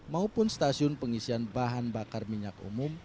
maupun stasiun pengisian bahan bakar minyak umum